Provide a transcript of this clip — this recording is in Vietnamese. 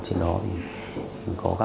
có các cái hình xăm